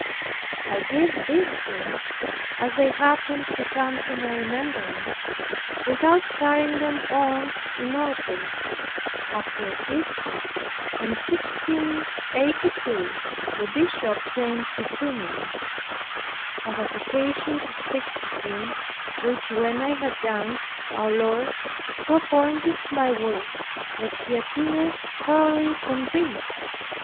I give these things, as they happen to come to my remembrance, without carrying them on in order. After Easter, in 1682, the bishop came to Tonon. I had occasion to speak to him, which when I had done, our Lord so pointed my words that he appeared thoroughly convinced.